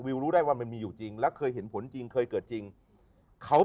รู้ได้ว่ามันมีอยู่จริงแล้วเคยเห็นผลจริงเคยเกิดจริงเขา